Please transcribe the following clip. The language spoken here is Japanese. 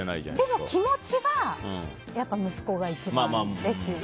でも気持ちが息子が一番ですよね。